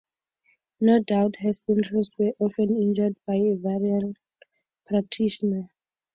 No doubt his interests were often injured by a rival practitioner.